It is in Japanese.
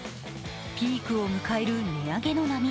ピークを迎える値上げの波。